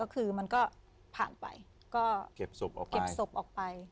แต่คือมันก็ผ่านไปเก็บศพออกไป